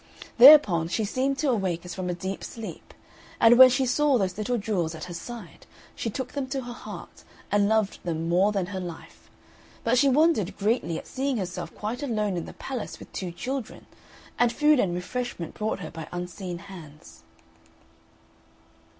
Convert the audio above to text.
Thereupon she seemed to awake as from a deep sleep; and when she saw those little jewels at her side, she took them to her heart, and loved them more than her life; but she wondered greatly at seeing herself quite alone in the palace with two children, and food and refreshment brought her by unseen hands.